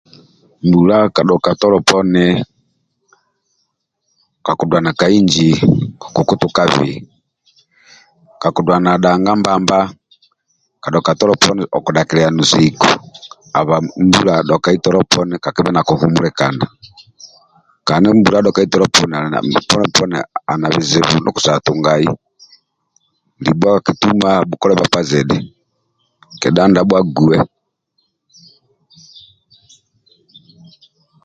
Mbula ka dhoka tolo poni kakudulqna ka inji kokutukabei kakudula dhanga mbamba kadhoka tolo poni okudhakililia no seiku habwa mbula dhokai tolo poni kakebhe nakihumulikana kandi mbula dhokai tolo poni ali na bizubu ndio okusobola tungai libho akituma abhukole bhakpa zidhi libho akituma abhukole bhakpa zidhi kedha ndabho aguwe